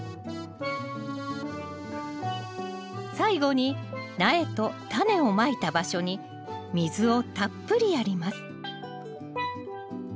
最後に苗とタネをまいた場所に水をたっぷりやります